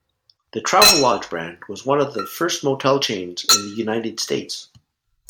The Travelodge brand was one of the first motel chains in the United States.